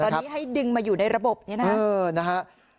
ตอนนี้ให้ดึงมาอยู่ในระบบนี้นะครับ